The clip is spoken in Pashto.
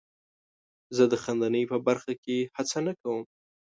زه د خندنۍ په برخه کې هڅه نه کوم.